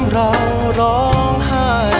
ยังเพราะความสำคัญ